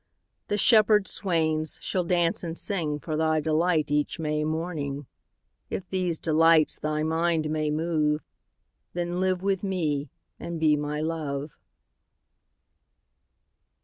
20 The shepherd swains shall dance and sing For thy delight each May morning: If these delights thy mind may move, Then live with me and be my Love.